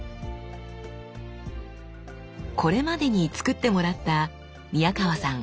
これまでにつくってもらった宮川さん